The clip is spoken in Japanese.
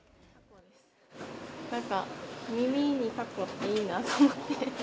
なんか、耳にタコっていいなって思って。